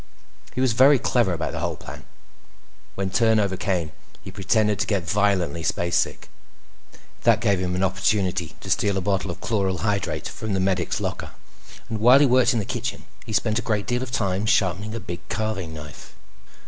He was very clever about the whole plan. When turn over came, he pretended to get violently spacesick. That gave him an opportunity to steal a bottle of chloral hydrate from the medic's locker. And, while he worked in the kitchen, he spent a great deal of time sharpening a big carving knife.